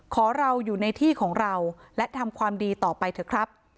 เราอยู่ในที่ของเราและทำความดีต่อไปเถอะครับ